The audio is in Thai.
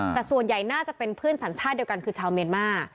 แต่ส่วนใหญ่น่าจะเป็นเพื่อนสัญชาติเดียวกันคือชาวเมียนมา